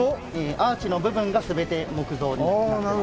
アーチの部分が全て木造になってます。